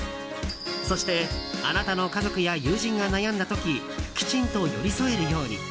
そして、あなたの家族や友人が悩んだ時きちんと寄り添えるように。